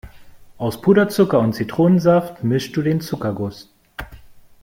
Aus Puderzucker und Zitronensaft mischst du den Zuckerguss.